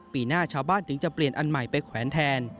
ปีหน้าชาวบ้านถึงจะเปลี่ยนอันใหม่ไปแขวนแทน